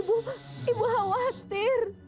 ibu ibu khawatir